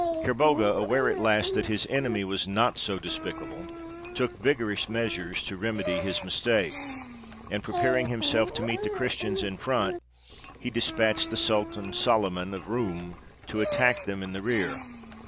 Kerbogha, aware at last that his enemy was not so despicable, took vigorous measures to remedy his mistake, and, preparing himself to meet the Christians in front, he despatched the Sultan Soliman of Roum to attack them in the rear.